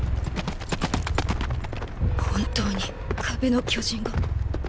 本当に壁の巨人が。